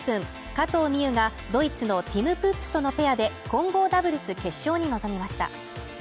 加藤未唯がドイツのティム・プッツとのペアで混合ダブルス決勝に臨みました。